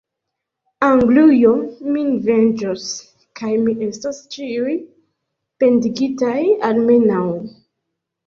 Anglujo min venĝos, kaj vi estos ĉiuj pendigitaj, almenaŭ!